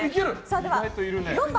では４番。